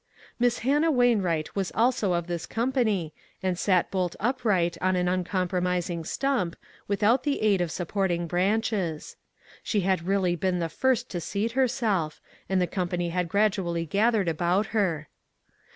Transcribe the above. Miss Hannah Wainwright was also of this company and sat bolt upright on an un compromising stump, without the aid of sup porting branches. She had really been the first to seat herself, and the company had gradually gathered about her.